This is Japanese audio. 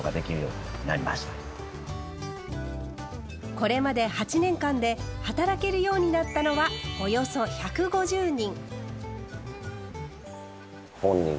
これまで８年間で働けるようになったのはおよそ１５０人。